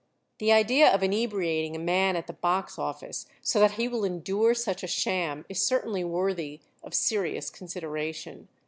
The idea of inebriating a man at the box office, so that he will endure such a sham, is certainly worthy of serious consideration.